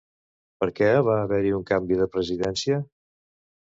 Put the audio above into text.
Per què va haver-hi un canvi de presidència?